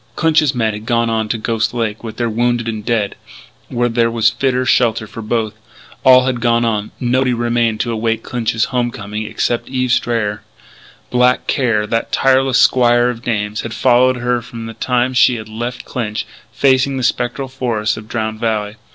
Clinch's men had gone on to Ghost Lake with their wounded and dead, where there was fitter shelter for both. All had gone on; nobody remained to await Clinch's home coming except Eve Strayer. Black Care, that tireless squire of dames, had followed her from the time she had left Clinch, facing the spectral forests of Drowned Valley.